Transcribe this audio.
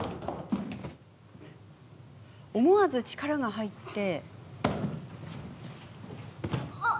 思わず力が籠もって。